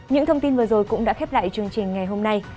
những thông tin vừa rồi cũng đã khép lại chương trình ngày hôm nay